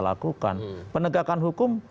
lakukan penegakan hukum